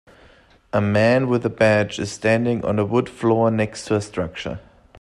A man with a badge is standing on a wood floor next to a structure.